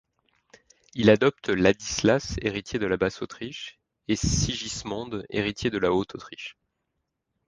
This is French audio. Il adopte Ladislas, héritier de la Basse-Autriche, et Sigismond, héritier de la Haute-Autriche.